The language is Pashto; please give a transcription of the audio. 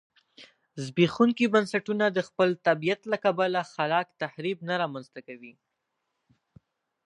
زبېښونکي بنسټونه د خپل طبیعت له کبله خلاق تخریب نه رامنځته کوي